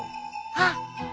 あっ！